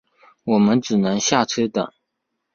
我们只能下车等